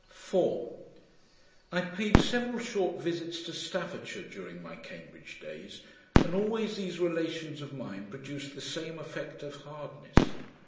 4 I paid several short visits to Staffordshire during my Cambridge days, and always these relations of mine produced the same effect of hardness.